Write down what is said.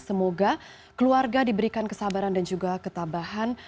semoga keluarga diberikan kesabaran dan juga ketabahan